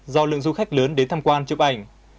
do lượng du khách lớn đến tham quan chụp ảnh